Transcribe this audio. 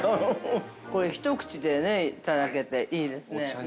これ、一口でいただけて、いいですね。